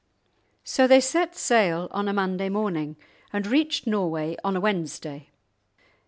So they set sail on a Monday morning, and reached Norway on a Wednesday.